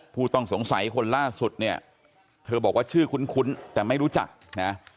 ผู้ต้องสงสัยคนล่าสุดเนี่ยเธอบอกว่าชื่อคุ้นแต่ไม่รู้จักนะ